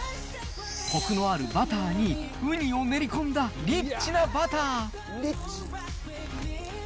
こくのあるバターにうにを練り込んだリッチなバター。